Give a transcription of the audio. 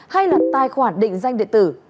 hay là tài khoản định danh địa tử